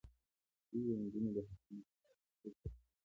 دوی د نجونو د حقونو په اړه چوپ دي.